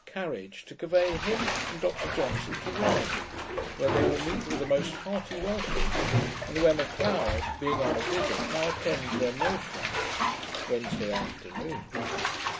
] carriage, to convey him and Dr Johnson to Rasay, where they will meet with a most hearty welcome, and where Macleod, being on a visit, now attends their motions. Wednesday afternoon.